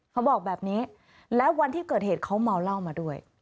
เขาบอกแบบนี้แล้ววันที่เกิดเหตุเขาเมาเหล้ามาด้วย